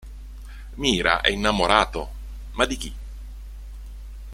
Mira è innamorato, ma di chi?